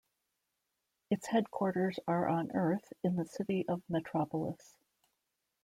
Its headquarters are on Earth in the city of Metropolis.